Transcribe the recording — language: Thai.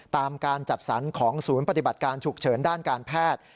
การจัดสรรของศูนย์ปฏิบัติการฉุกเฉินด้านการแพทย์